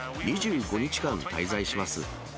２５日間滞在します。